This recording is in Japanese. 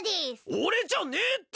俺じゃねえって！